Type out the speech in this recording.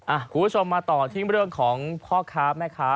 อ่ะคุณผู้ชมมาตอบทีมันร่วมของพ่อค้าแม่ค้า